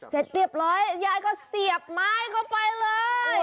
เสร็จเรียบร้อยยายก็เสียบไม้เข้าไปเลย